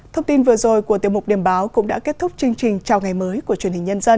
thông tin vừa rồi của tiêu mục điểm báo cũng đã kết thúc chương trình chào ngày mới của truyền hình nhân dân